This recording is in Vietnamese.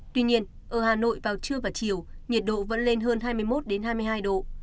tuy nhiên ở hà nội vào trưa và chiều nhiệt độ vẫn lên hơn hai mươi một hai mươi hai độ